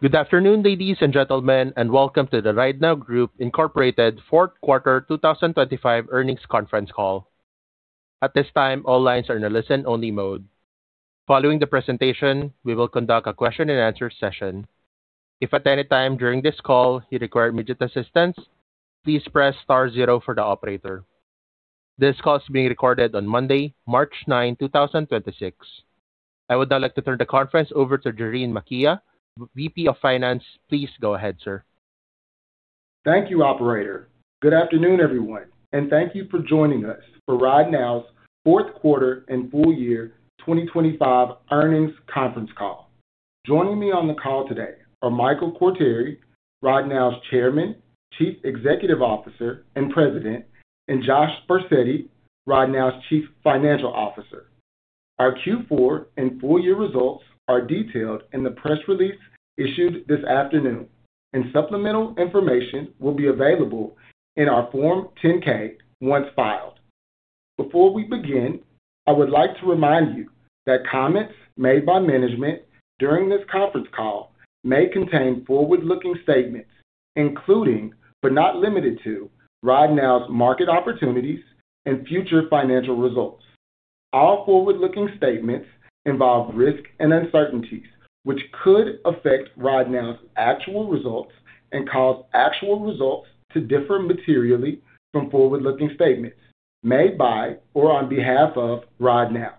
Good afternoon, ladies and gentlemen, and welcome to the RideNow Group, Inc. fourth quarter 2025 earnings conference call. At this time, all lines are in a listen-only mode. Following the presentation, we will conduct a question-and-answer session. If at any time during this call you require immediate assistance, please press star zero for the operator. This call is being recorded on Monday, March 9, 2026. I would now like to turn the conference over to Jerene Makia, VP of Finance. Please go ahead, sir. Thank you, operator. Good afternoon, everyone, and thank you for joining us for RideNow's fourth quarter and full year 2025 earnings conference call. Joining me on the call today are Michael Quartieri, RideNow's Chairman, Chief Executive Officer, and President, and Josh Barsetti, RideNow's Chief Financial Officer. Our Q4 and full year results are detailed in the press release issued this afternoon, and supplemental information will be available in our Form 10-K once filed. Before we begin, I would like to remind you that comments made by management during this conference call may contain forward-looking statements including, but not limited to, RideNow's market opportunities and future financial results. All forward-looking statements involve risks and uncertainties which could affect RideNow's actual results and cause actual results to differ materially from forward-looking statements made by or on behalf of RideNow.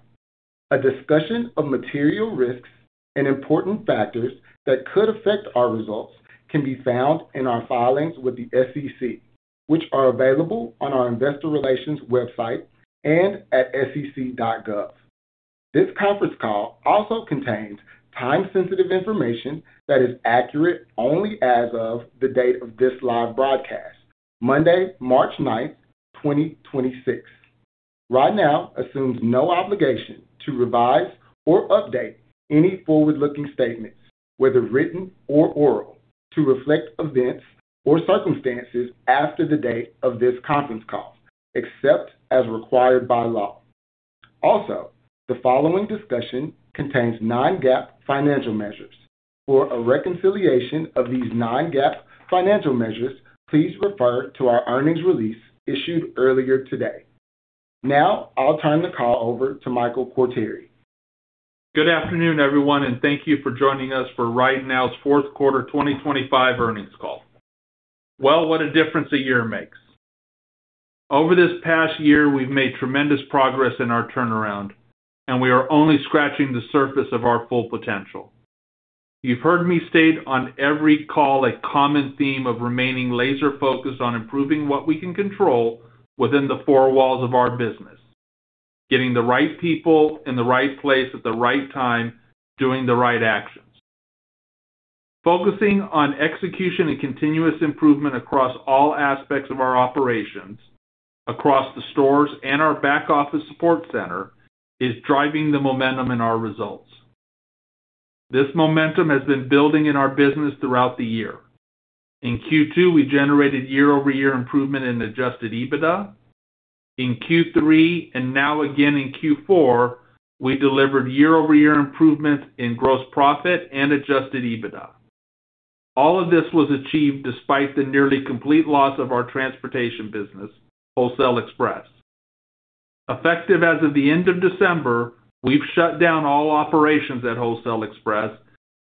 A discussion of material risks and important factors that could affect our results can be found in our filings with the SEC, which are available on our investor relations website and at sec.gov. This conference call also contains time-sensitive information that is accurate only as of the date of this live broadcast, Monday, March 9th, 2026. RideNow assumes no obligation to revise or update any forward-looking statements, whether written or oral, to reflect events or circumstances after the date of this conference call, except as required by law. Also, the following discussion contains non-GAAP financial measures. For a reconciliation of these non-GAAP financial measures, please refer to our earnings release issued earlier today. Now, I'll turn the call over to Michael Quartieri. Good afternoon, everyone, and thank you for joining us for RideNow's fourth quarter 2025 earnings call. Well, what a difference a year makes. Over this past year, we've made tremendous progress in our turnaround, and we are only scratching the surface of our full potential. You've heard me state on every call a common theme of remaining laser-focused on improving what we can control within the four walls of our business. Getting the right people in the right place at the right time, doing the right actions. Focusing on execution and continuous improvement across all aspects of our operations across the stores and our back-office support center is driving the momentum in our results. This momentum has been building in our business throughout the year. In Q2, we generated year-over-year improvement in adjusted EBITDA. In Q3 and now again in Q4, we delivered year-over-year improvement in gross profit and adjusted EBITDA. All of this was achieved despite the nearly complete loss of our transportation business, Wholesale Express. Effective as of the end of December, we've shut down all operations at Wholesale Express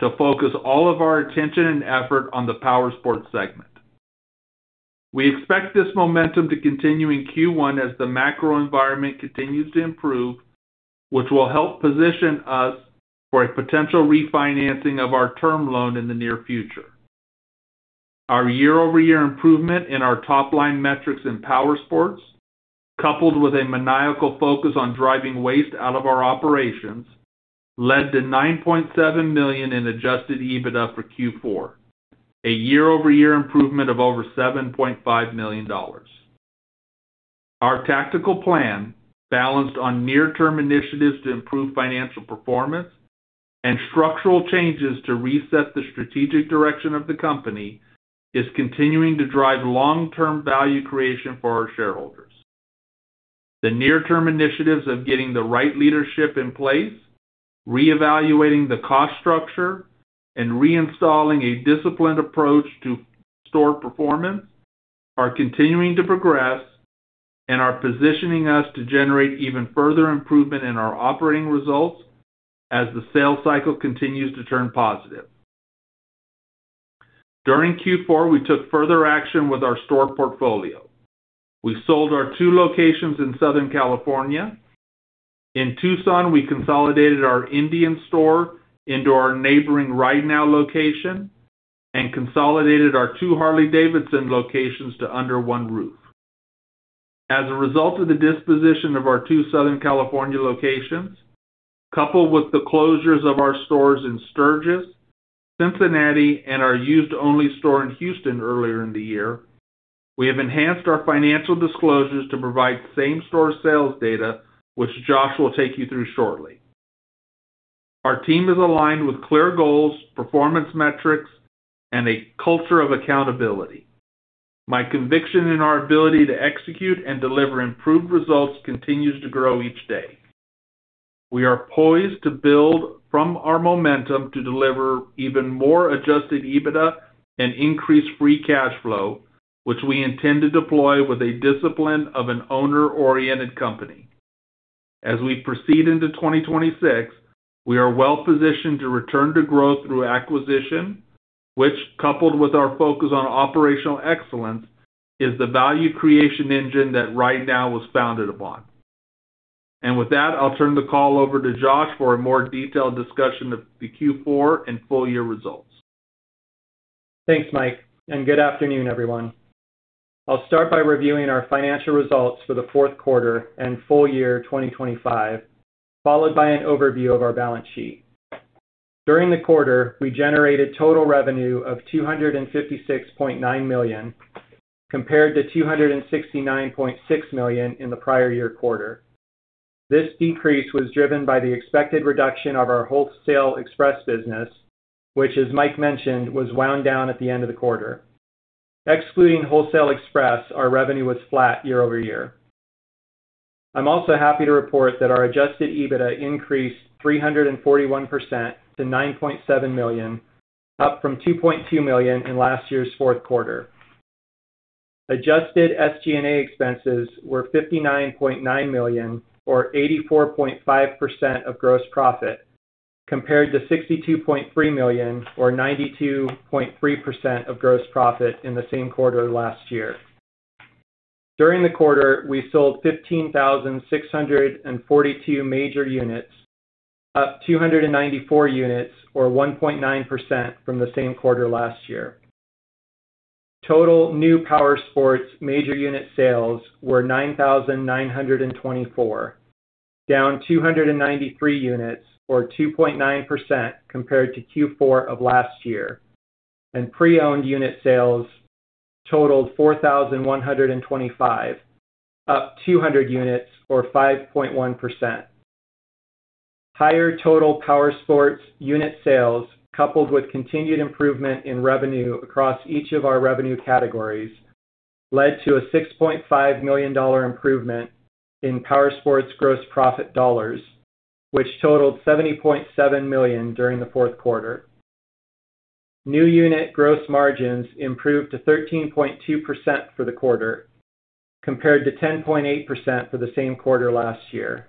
to focus all of our attention and effort on the powersports segment. We expect this momentum to continue in Q1 as the macro environment continues to improve, which will help position us for a potential refinancing of our term loan in the near future. Our year-over-year improvement in our top-line metrics in powersports, coupled with a maniacal focus on driving waste out of our operations, led to $9.7 million in adjusted EBITDA for Q4, a year-over-year improvement of over $7.5 million. Our tactical plan, balanced on near-term initiatives to improve financial performance and structural changes to reset the strategic direction of the company, is continuing to drive long-term value creation for our shareholders. The near-term initiatives of getting the right leadership in place, reevaluating the cost structure, and reinstalling a disciplined approach to store performance are continuing to progress and are positioning us to generate even further improvement in our operating results as the sales cycle continues to turn positive. During Q4, we took further action with our store portfolio. We sold our two locations in Southern California. In Tucson, we consolidated our Indian store into our neighboring RideNow location and consolidated our two Harley-Davidson locations to under one roof. As a result of the disposition of our two Southern California locations, coupled with the closures of our stores in Sturgis, Cincinnati, and our used-only store in Houston earlier in the year, we have enhanced our financial disclosures to provide same-store sales data, which Josh will take you through shortly. Our team is aligned with clear goals, performance metrics, and a culture of accountability. My conviction in our ability to execute and deliver improved results continues to grow each day. We are poised to build from our momentum to deliver even more adjusted EBITDA and increase free cash flow, which we intend to deploy with a discipline of an owner-oriented company. As we proceed into 2026, we are well-positioned to return to growth through acquisition, which, coupled with our focus on operational excellence, is the value creation engine that RideNow was founded upon. With that, I'll turn the call over to Josh for a more detailed discussion of the Q4 and full year results. Thanks, Mike. Good afternoon, everyone. I'll start by reviewing our financial results for the fourth quarter and full year 2025, followed by an overview of our balance sheet. During the quarter, we generated total revenue of $256.9 million, compared to $269.6 million in the prior year quarter. This decrease was driven by the expected reduction of our Wholesale Express business, which, as Mike mentioned, was wound down at the end of the quarter. Excluding Wholesale Express, our revenue was flat year-over-year. I'm also happy to report that our adjusted EBITDA increased 341% to $9.7 million, up from $2.2 million in last year's fourth quarter. Adjusted SG&A expenses were $59.9 million or 84.5% of gross profit, compared to $62.3 million or 92.3% of gross profit in the same quarter last year. During the quarter, we sold 15,642 major units, up 294 units or 1.9% from the same quarter last year. Total new powersports major unit sales were 9,924, down 293 units or 2.9% compared to Q4 of last year. Pre-owned unit sales totaled 4,125, up 200 units or 5.1%. Higher total powersports unit sales, coupled with continued improvement in revenue across each of our revenue categories, led to a $6.5 million improvement in powersports gross profit dollars, which totaled $70.7 million during the fourth quarter. New unit gross margins improved to 13.2% for the quarter, compared to 10.8% for the same quarter last year.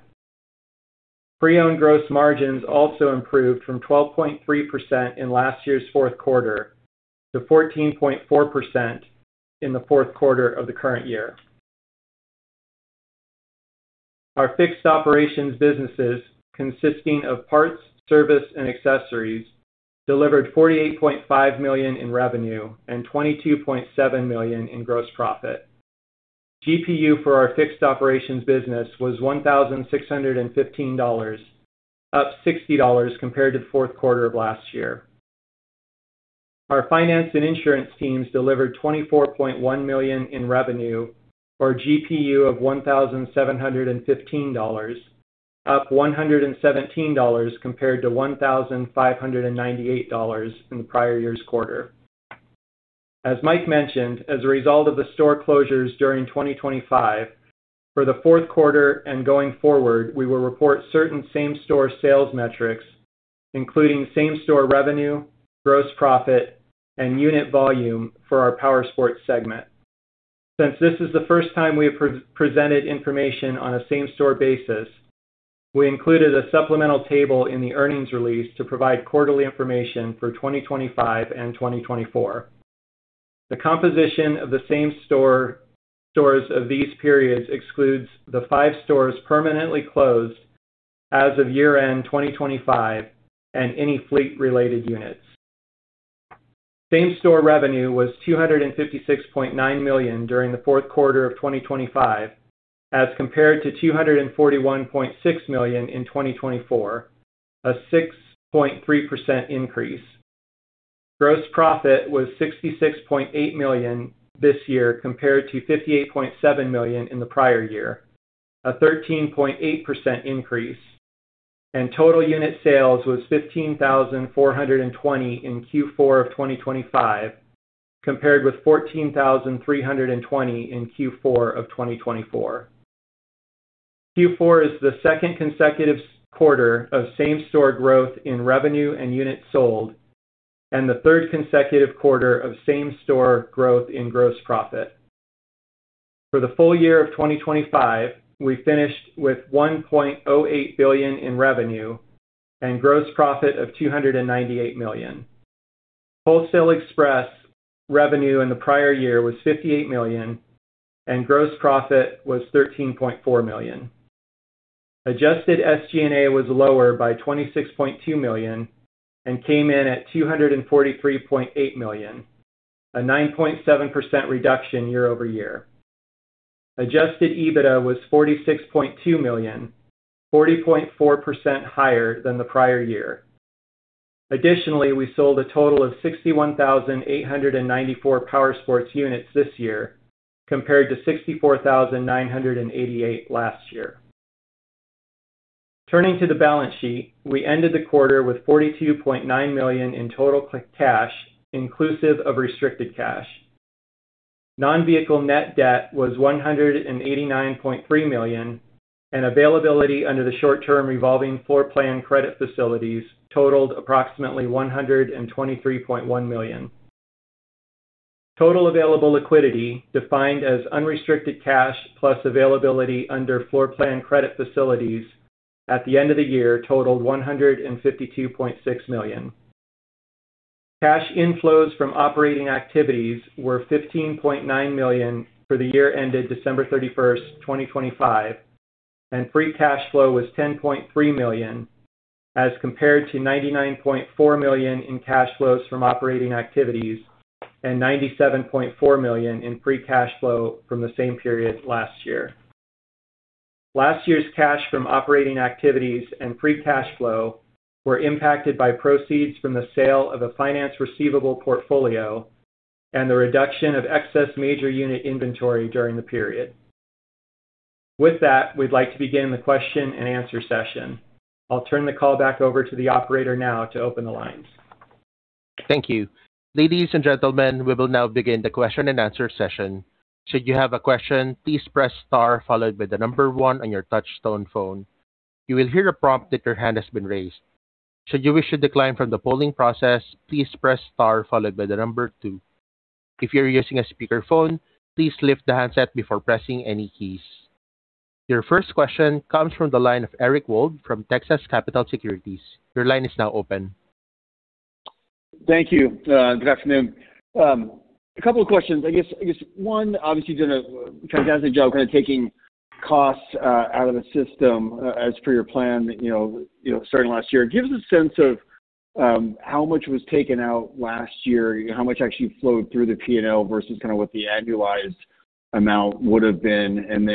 Pre-owned gross margins also improved from 12.3% in last year's fourth quarter to 14.4% in the fourth quarter of the current year. Our fixed operations businesses, consisting of parts, service, and accessories, delivered $48.5 million in revenue and $22.7 million in gross profit. GPU for our fixed operations business was $1,615, up $60 compared to the fourth quarter of last year. Our finance and insurance teams delivered $24.1 million in revenue or GPU of $1,715, up $117 compared to $1,598 in the prior year's quarter. As Mike mentioned, as a result of the store closures during 2025, for the fourth quarter and going forward, we will report certain same-store sales metrics, including same-store revenue, gross profit, and unit volume for our powersports segment. Since this is the first time we have pre-presented information on a same-store basis, we included a supplemental table in the earnings release to provide quarterly information for 2025 and 2024. The composition of the same stores of these periods excludes the five stores permanently closed as of year-end 2025 and any fleet-related units. Same-store revenue was $256.9 million during the fourth quarter of 2025 as compared to $241.6 million in 2024, a 6.3% increase. Gross profit was $66.8 million this year compared to $58.7 million in the prior year, a 13.8% increase. Total unit sales was 15,420 in Q4 of 2025 compared with 14,320 in Q4 of 2024. Q4 is the second consecutive quarter of same-store growth in revenue and units sold and the third consecutive quarter of same-store growth in gross profit. For the full year of 2025, we finished with $1.08 billion in revenue and gross profit of $298 million. Wholesale Express revenue in the prior year was $58 million, and gross profit was $13.4 million. Adjusted SG&A was lower by $26.2 million and came in at $243.8 million, a 9.7% reduction year-over-year. Adjusted EBITDA was $46.2 million, 40.4% higher than the prior year. Additionally, we sold a total of 61,894 powersports units this year compared to 64,988 last year. Turning to the balance sheet, we ended the quarter with $42.9 million in total cash, inclusive of restricted cash. Non-Vehicle Net Debt was $189.3 million, and availability under the short-term revolving floor plan credit facilities totaled approximately $123.1 million. Total available liquidity, defined as unrestricted cash plus availability under floor plan credit facilities at the end of the year totaled $152.6 million. Cash inflows from operating activities were $15.9 million for the year ended December 31, 2025, and free cash flow was $10.3 million as compared to $99.4 million in cash flows from operating activities and $97.4 million in free cash flow from the same period last year. Last year's cash from operating activities and free cash flow were impacted by proceeds from the sale of a finance receivable portfolio and the reduction of excess major unit inventory during the period. With that, we'd like to begin the question-and-answer session. I'll turn the call back over to the operator now to open the lines. Thank you. Ladies and gentlemen, we will now begin the question-and-answer session. Should you have a question, please press star followed by the number one on your touch tone phone. You will hear a prompt that your hand has been raised. Should you wish to decline from the polling process, please press star followed by the number two. If you're using a speakerphone, please lift the handset before pressing any keys. Your first question comes from the line of Eric Wold from Texas Capital Securities. Your line is now open. Thank you. Good afternoon. A couple of questions. I guess one, obviously you've done a fantastic job kind of taking costs out of the system as per your plan, you know, starting last year. Give us a sense of how much was taken out last year. How much actually flowed through the P&L versus kind of what the annualized amount would have been?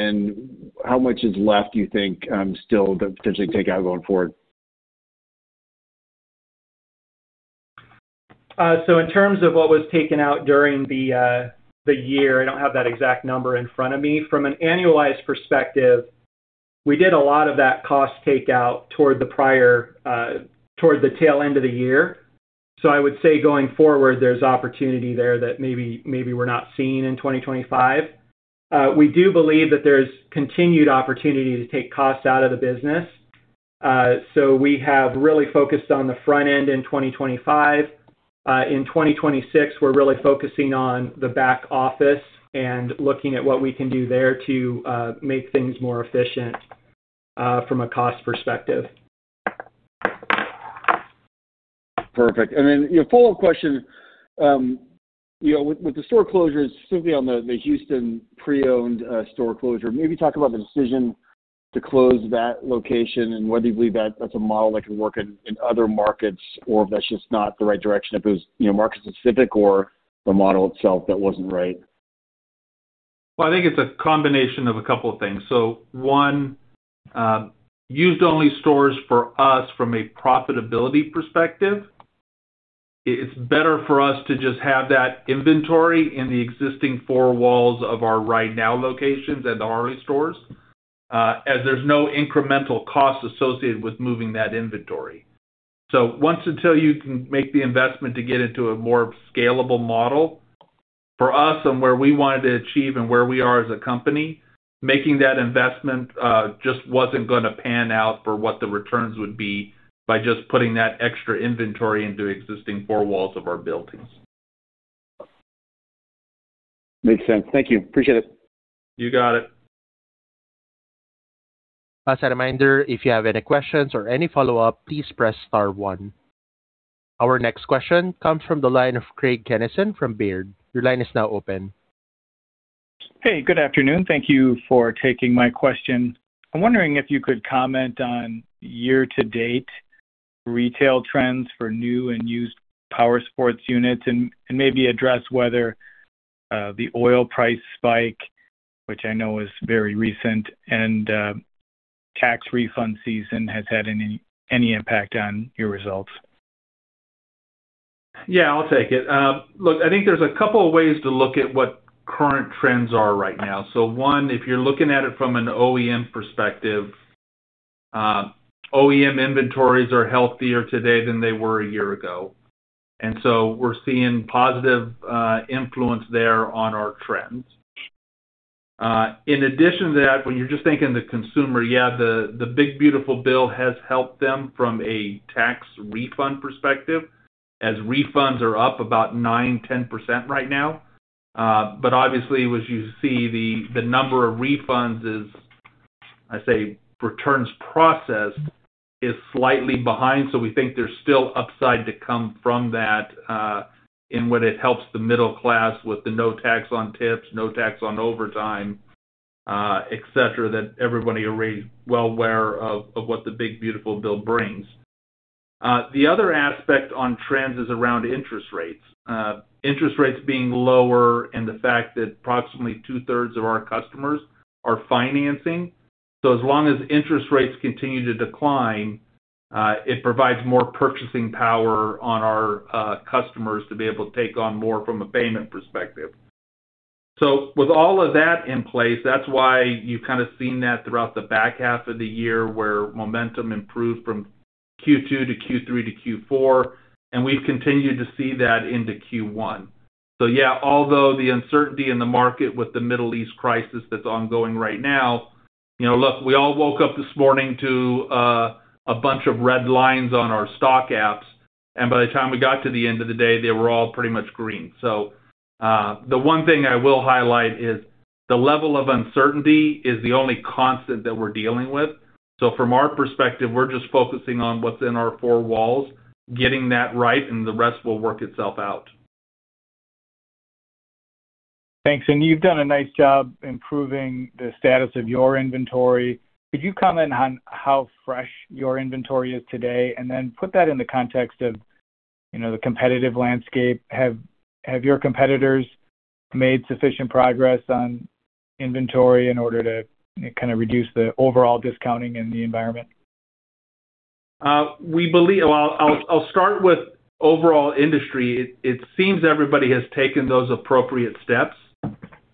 How much is left, do you think, still to potentially take out going forward? In terms of what was taken out during the year, I don't have that exact number in front of me. From an annualized perspective, we did a lot of that cost takeout toward the prior, toward the tail end of the year. I would say going forward, there's opportunity there that maybe we're not seeing in 2025. We do believe that there's continued opportunity to take costs out of the business. We have really focused on the front end in 2025. In 2026, we're really focusing on the back office and looking at what we can do there to make things more efficient, from a cost perspective. Perfect. Then a follow-up question. You know, with the store closures, specifically on the Houston pre-owned store closure, maybe talk about the decision to close that location and whether you believe that that's a model that can work in other markets or if that's just not the right direction, if it was, you know, market-specific or the model itself that wasn't right. I think it's a combination of a couple of things. One, used only stores for us from a profitability perspective. It's better for us to just have that inventory in the existing four walls of our RideNow locations at the RV stores, as there's no incremental cost associated with moving that inventory. Once until you can make the investment to get into a more scalable model for us and where we wanted to achieve and where we are as a company, making that investment, just wasn't gonna pan out for what the returns would be by just putting that extra inventory into existing four walls of our buildings. Makes sense. Thank you. Appreciate it. You got it. As a reminder, if you have any questions or any follow-up, please press star one. Our next question comes from the line of Craig Kennison from Baird. Your line is now open. Hey, good afternoon. Thank you for taking my question. I'm wondering if you could comment on year-to-date retail trends for new and used powersports units and maybe address whether the oil price spike, which I know is very recent, and tax refund season has had any impact on your results. I'll take it. Look, I think there's a couple of ways to look at what current trends are right now. One, if you're looking at it from an OEM perspective, OEM inventories are healthier today than they were a year ago, we're seeing positive influence there on our trends. In addition to that, when you're just thinking the consumer, the big beautiful bill has helped them from a tax refund perspective as refunds are up about 9%-10% right now. Obviously, as you see, the number of refunds is, I say, returns processed is slightly behind. We think there's still upside to come from that, in what it helps the middle class with the No Tax on Tips, No Tax on Overtime, etc., that everybody already well aware of what the Big Beautiful Bill brings. The other aspect on trends is around interest rates. Interest rates being lower and the fact that approximately two-thirds of our customers are financing. As long as interest rates continue to decline, it provides more purchasing power on our customers to be able to take on more from a payment perspective. With all of that in place, that's why you've kind of seen that throughout the back half of the year where momentum improved from Q2 to Q3 to Q4, and we've continued to see that into Q1. Yeah, although the uncertainty in the market with the Middle East crisis that's ongoing right now, you know, look, we all woke up this morning to a bunch of red lines on our stock apps, and by the time we got to the end of the day, they were all pretty much green. The one thing I will highlight is the level of uncertainty is the only constant that we're dealing with. From our perspective, we're just focusing on what's in our four walls, getting that right, and the rest will work itself out. Thanks. You've done a nice job improving the status of your inventory. Could you comment on how fresh your inventory is today, then put that in the context of, you know, the competitive landscape? Have your competitors made sufficient progress on inventory in order to kind of reduce the overall discounting in the environment? We believe. Well, I'll start with overall industry. It seems everybody has taken those appropriate steps.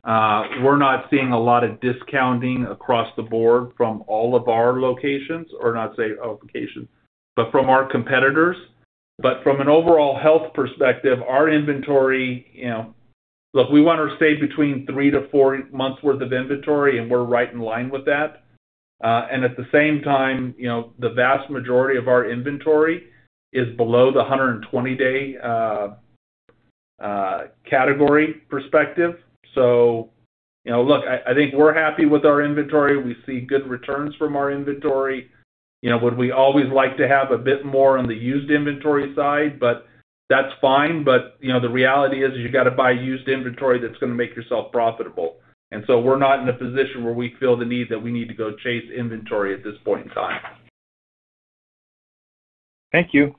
We're not seeing a lot of discounting across the board from all of our locations, or not say locations, but from our competitors. From an overall health perspective, our inventory, you know. Look, we wanna stay between three to four months worth of inventory, and we're right in line with that. And at the same time, you know, the vast majority of our inventory is below the 120-day category perspective. you know, look, I think we're happy with our inventory. We see good returns from our inventory. You know, would we always like to have a bit more on the used inventory side, but that's fine. you know, the reality is you gotta buy used inventory that's gonna make yourself profitable. We're not in a position where we feel the need that we need to go chase inventory at this point in time. Thank you.